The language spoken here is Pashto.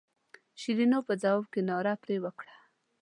شیرینو په ځواب کې ناره پر وکړه.